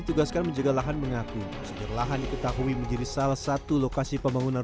ditugaskan menjaga lahan mengaku sejak lahan diketahui menjadi salah satu lokasi pembangunan